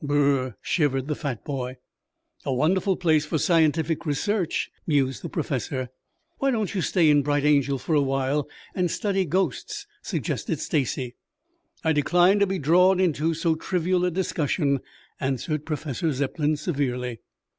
"Br r r!" shivered the fat boy. "A wonderful place for scientific research," mused the Professor. "Why don't you stay in Bright Angel for a while and study ghosts?" suggested Stacy. "I decline to be drawn into so trivial a discussion," answered Professor Zepplin severely.